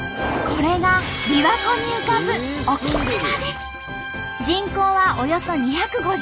これがびわ湖に浮かぶ人口はおよそ２５０人。